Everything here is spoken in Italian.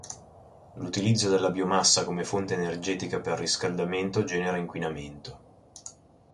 L'utilizzo della biomassa come fonte energetica per riscaldamento genera inquinamento.